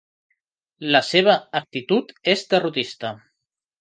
La seva actitud és derrotista.